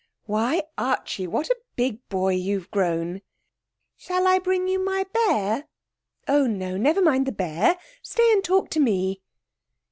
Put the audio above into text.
'Why, Archie! What a big boy you've grown!' 'Shall I bring you my bear?' 'Oh, no; never mind the bear. Stay and talk to me.'